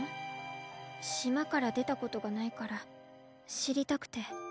しまからでたことがないからしりたくて。